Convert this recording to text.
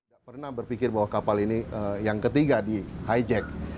tidak pernah berpikir bahwa kapal ini yang ketiga di hijack